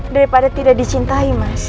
daripada tidak dicintai mas